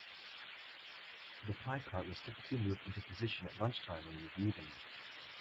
The pie-cart was typically moved into position at lunch time and in the evening.